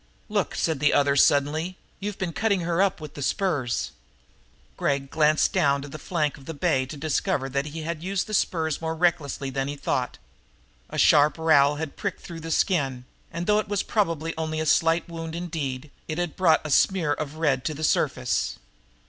"Look," said the other suddenly, "you've been cutting her up with the spurs!" Gregg glanced down to the flank of the bay to discover that he had used the spurs more recklessly than he thought. A sharp rowel had picked through the skin, and, though it was probably only a slight wound indeed, it had brought a smear of red to the surface.